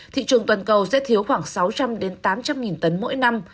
thị trường toàn cầu sẽ thiếu khoảng sáu trăm linh tám trăm linh tấn mỗi năm